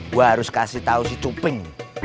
gue harus kasih tau si cuping